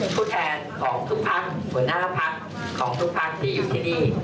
ผู้แทนของทุกภัคดิ์หัวหน้าภัคดิ์ของทุกภัคดิ์ที่อยู่ที่นี่